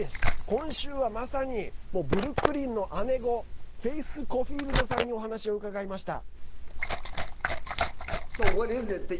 今週は、まさにブルックリンの姉御フェイス・コフィールドさんにお話を伺いました。